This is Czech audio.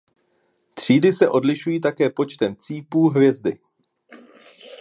Třídy se odlišují také počtem cípů hvězdy.